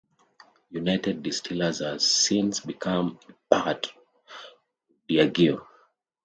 United Distillers has since become a part of Diageo.